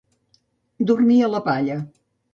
Dormir a la palla.